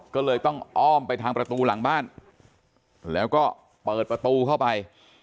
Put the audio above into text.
ก็เลยต้องอ้อมไปทางประตูหลังบ้านแล้วก็เปิดประตูเข้าไป